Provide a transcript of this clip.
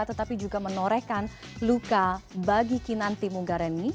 tetapi juga menorehkan luka bagi kinanti munggareni